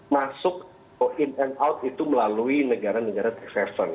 masuk in and out itu melalui negara negara tax haven